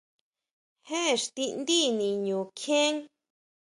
¿Jé íxtidí niñu kjien?